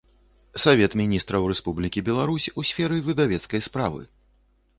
Савет Мiнiстраў Рэспублiкi Беларусь у сферы выдавецкай справы.